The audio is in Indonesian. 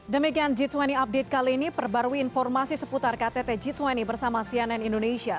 demikian g dua puluh update kali ini perbarui informasi seputar ktt g dua puluh bersama cnn indonesia